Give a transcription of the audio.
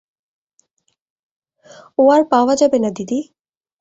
ও আর পাওয়া যাবে না দিদি।